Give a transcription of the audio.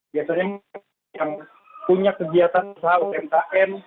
biasanya yang punya kegiatan usaha utentak n